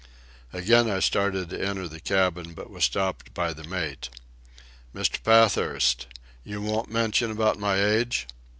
Again I started to enter the cabin, but was stopped by the mate. "Mr. Pathurst? You won't mention about my age?"